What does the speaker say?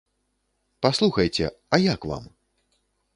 Паслухайце, а як вам?